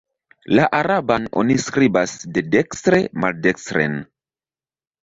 La araban oni skribas de dekstre maldekstren.